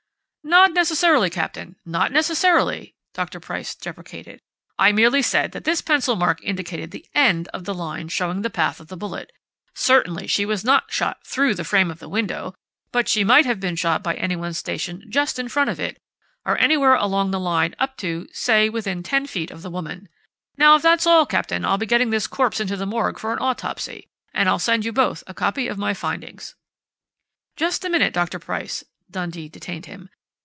"Not necessarily, Captain, not necessarily," Dr. Price deprecated. "I merely say that this pencil mark indicated the end of the line showing the path of the bullet. Certainly she was not shot through the frame of the window, but she might have been shot by anyone stationed just in front of it, or anywhere along the line, up to, say, within ten feet of the woman.... Now, if that's all, Captain, I'll be getting this corpse into the morgue for an autopsy. And I'll send you both a copy of my findings." "Just a minute, Dr. Price," Dundee detained him.